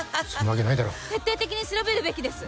徹底的に調べるべきです。